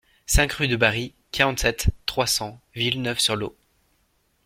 cinq rue de Barris, quarante-sept, trois cents, Villeneuve-sur-Lot